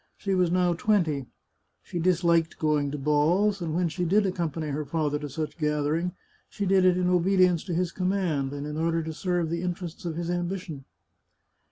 She was now twenty. She disliked going to balls, and when she did accompany her father to such gatherings, she did it in obedience to his command, and in order to serve the interests of his ambition.